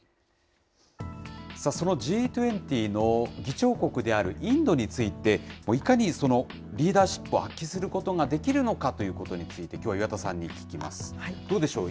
そのＧ２０の議長国であるインドについて、いかにリーダーシップを発揮することができるのかということについて、きょうは岩田さんに聞きます。